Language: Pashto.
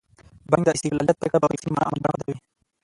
د بانک د استقلالیت پرېکړه به په رښتینې معنا عملي بڼه پیدا کوي.